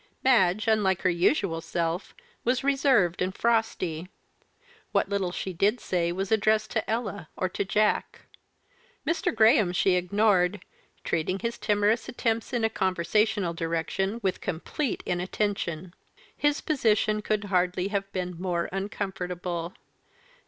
Madge, unlike her usual self, was reserved and frosty; what little she did say was addressed to Ella or to Jack. Mr. Graham she ignored, treating his timorous attempts in a conversational direction with complete inattention. His position could hardly have been more uncomfortable.